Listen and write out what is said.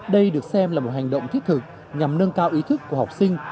đây được xem là một hành động thiết thực nhằm nâng cao ý thức của học sinh